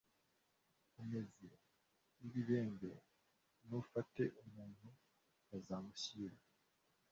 Umuze w ibibembe nufata umuntu bazamushyire